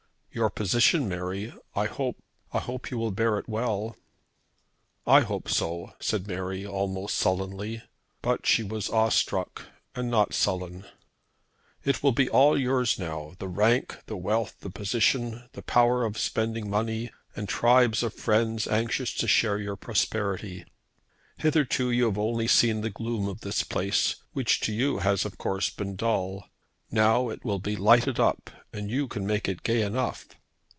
"Your position, Mary. I hope, I hope you will bear it well." "I hope so," said Mary, almost sullenly. But she was awestruck, and not sullen. "It will all be yours now, the rank, the wealth, the position, the power of spending money, and tribes of friends anxious to share your prosperity. Hitherto you have only seen the gloom of this place, which to you has of course been dull. Now it will be lighted up, and you can make it gay enough."